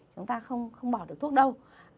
chúng ta không bỏ được thuốc đâu